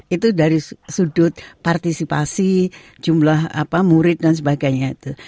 itu dari sudut partisipasi jumlah murid dan sebagainya itu